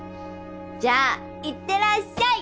じゃあいってらっしゃい！